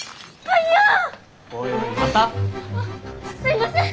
あっすいません！